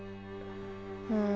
うん。